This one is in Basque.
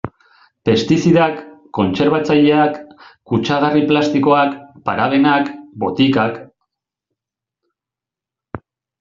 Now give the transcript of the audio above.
Pestizidak, kontserbatzaileak, kutsagarri plastikoak, parabenak, botikak...